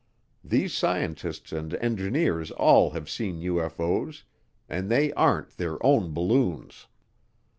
These scientists and engineers all have seen UFO's and they aren't their own balloons.